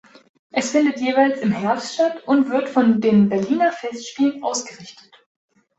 Es findet jeweils im Herbst statt und wird von den Berliner Festspielen ausgerichtet.